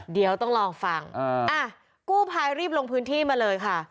เดี๋ยวต้องลองฟังกู้ภัยรีบลงพื้นที่มาเลยค่ะ